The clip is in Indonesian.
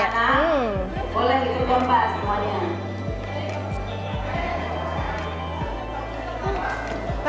nah boleh gitu tompa semuanya